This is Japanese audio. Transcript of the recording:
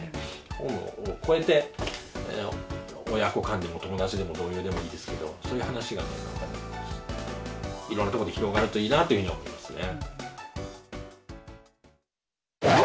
本を超えて、親子間でも友達でも、同僚でもいいですけど、そういう話が、いろんなとこで広がるといいなと思ってますね。